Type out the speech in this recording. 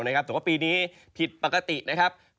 แต่ว่าปีนี้ผิดปกตินะครับ